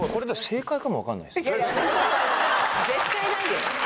絶対ないよ。